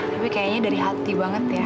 tapi kayaknya dari hati banget ya